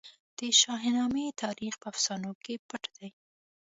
د شاهنامې تاریخ په افسانو کې پټ دی.